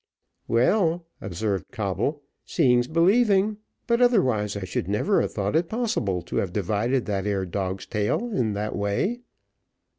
"Well," observed Coble, "seeing's believing; but, otherwise, I never should have thought it possible to have divided that ere dog's tail in that way."